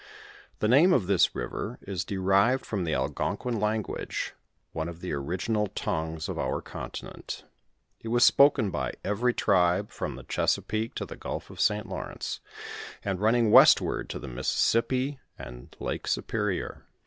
* The name of this river is derived from the Algonquin language one of the original ti uesof r continent It was spoken by everytribe from the Chesa peake to tht gulf of St, Lawrenc", and running westward to the Mississippi and Lake Suy.'ror.